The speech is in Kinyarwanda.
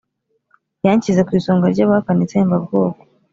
yanshyize ku isonga ry'abahakana itsembabwoko